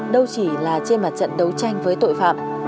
đâu chỉ là trên mặt trận đấu tranh với tội phạm